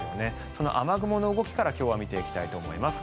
その雨雲の動きから今日は見ていきたいと思います。